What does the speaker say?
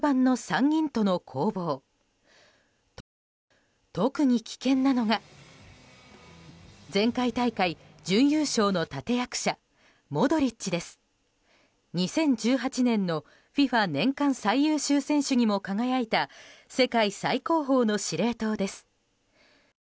２０１８年のＦＩＦＡ年間最優秀選手にも輝いた世界最高峰の司令塔です。